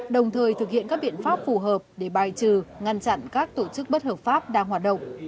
đồng thời thực hiện các biện pháp phù hợp để bài trừ ngăn chặn các tổ chức bất hợp pháp đang hoạt động